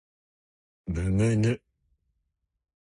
むむぬ